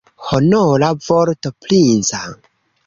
Honora vorto princa?